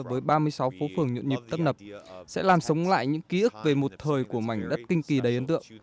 với ba mươi sáu phố phường nhuận nhịp tấp nập sẽ làm sống lại những ký ức về một thời của mảnh đất kinh kỳ đầy ấn tượng